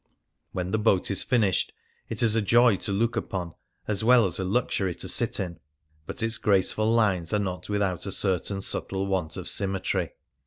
When the boat is finished it is a joy to look upon, as well as a luxury to sit in ; but its graceful lines are not without a certain subtle want of sym metry.